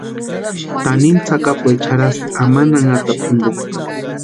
Tanimu tsakapuecha jarhasti amani anhatapu jimpo.